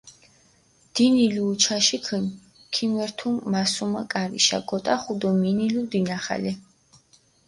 დინილუ უჩაშიქინ, ქიმერთუ მასუმა კარიშა, გოტახუ დო მინილუ დინახალე.